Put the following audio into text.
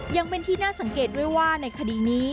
ยังเป็นที่น่าสังเกตด้วยว่าในคดีนี้